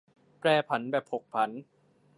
แปรผันแบบผกผัน